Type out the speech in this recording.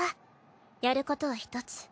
やることはひとつ。